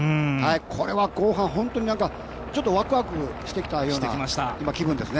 これは後半、本当にちょっとワクワクしてきたような気分ですね。